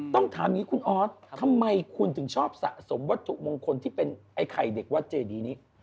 ต้องถามอย่างนี้คุณออสทำไมคุณถึงชอบสะสมวัตถุมงคลที่เป็นไอ้ไข่เด็กวัดเจดีนี้